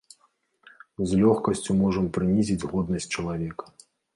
З лёгкасцю можам прынізіць годнасць чалавека.